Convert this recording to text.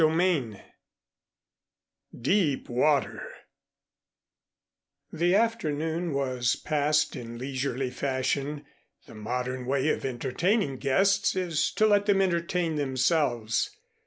XXV DEEP WATER The afternoon was passed in leisurely fashion. The modern way of entertaining guests is to let them entertain themselves.